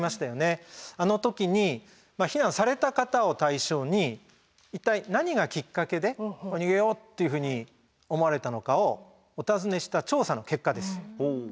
あの時に避難された方を対象に一体何がきっかけで逃げようっていうふうに思われたのかをお尋ねした調査の結果です。